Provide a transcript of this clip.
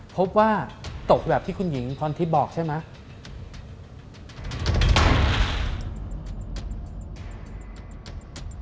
พบว่าตกแบบที่คุณหญิงพรทิพย์บอกใช่ไหม